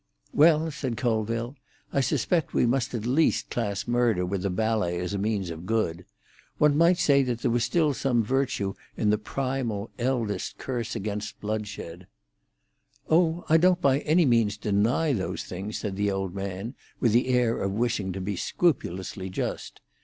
"Well," said Colville, "I suspect we must at least class murder with the ballet as a means of good. One might say there was still some virtue in the primal, eldest curse against bloodshed." "Oh, I don't by any means deny those things," said the old man, with the air of wishing to be scrupulously just.